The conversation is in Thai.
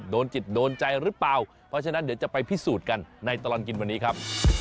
โดนจิตโดนใจหรือเปล่าเพราะฉะนั้นเดี๋ยวจะไปพิสูจน์กันในตลอดกินวันนี้ครับ